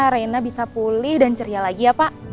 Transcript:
reina bisa pulih dan ceria lagi ya pak